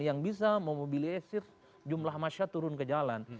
yang bisa memobilisir jumlah masyarakat turun ke jalan